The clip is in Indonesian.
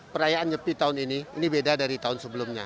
perayaan nyepi tahun ini ini beda dari tahun sebelumnya